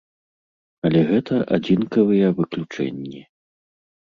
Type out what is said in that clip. Але гэта адзінкавыя выключэнні.